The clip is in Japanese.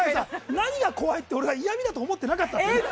何が怖いって俺は嫌味だと思ってなかった。